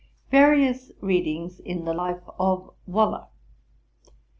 Various Readings in the Life of WALLER.